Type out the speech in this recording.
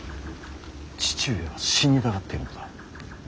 父上は死にたがっているのだ。